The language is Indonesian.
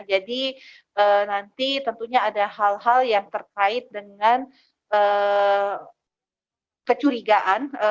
jadi nanti tentunya ada hal hal yang terkait dengan kecurigaan